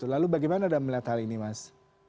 lalu bagaimana anda melihat hal ini mas